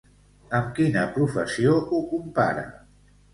Amb quina professió ho compara?